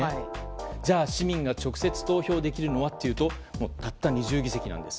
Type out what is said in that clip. じゃあ市民が直接投票できるのはというとたった２０議席なんです。